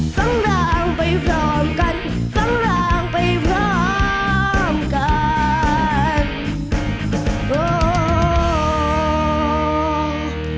สร้างรางไปพร้อมกันสร้างรางไปพร้อมกัน